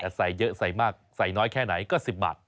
แต่ใส่เยอะใส่มากใส่น้อยแค่ไหนก็๑๐บาท